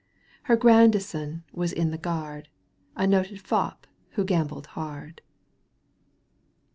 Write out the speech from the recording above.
Her Grandison was in the Guard, A noted fop who gambled hard.